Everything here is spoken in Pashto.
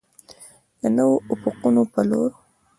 د نویو افقونو په لور.